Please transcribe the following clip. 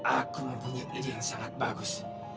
aku mempunyai ide yang sangat bagus